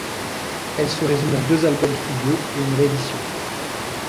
Elle se résume à deux albums studio et une réédition.